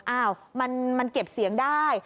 อ้าวมันเก็บเสียงได้